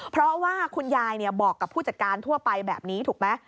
เพราะว่าคุณยายบอกกับผู้จัดการทั่วไปแบบนี้ถูกไหม